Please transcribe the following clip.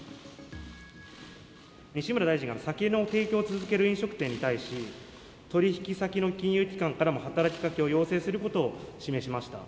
西村大臣が酒の提供を続ける飲食店に対し、取り引き先の金融機関からも働きかけを要請することを示しました。